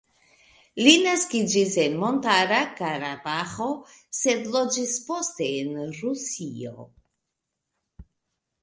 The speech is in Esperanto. Li naskiĝis en Montara Karabaĥo, sed loĝis poste en Rusio.